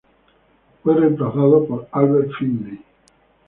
Fue reemplazado por Albert Finney.